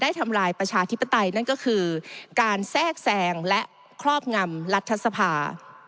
ทำลายประชาธิปไตยนั่นก็คือการแทรกแซงและครอบงำรัฐสภา